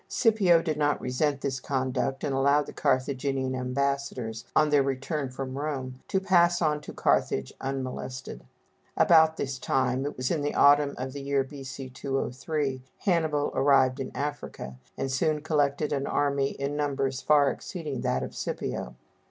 Scipio did not resent this conduct and allowed the Carthaginian ambassadors, on their return from Rome, to pass on to Carthage unmolested. About this time (it was the autumn of the year B.C. 203) Hannibal arrived in Africa, and soon collected an army in numbers far exceeding that of Scipio.